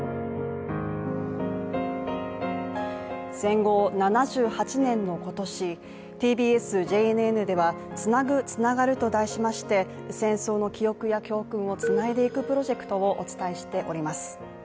戦後７８年の今年、ＴＢＳ・ＪＮＮでは「つなぐ、つながる」と題しまして戦争の記憶や教訓をつないでいくプロジェクトをお伝えしております。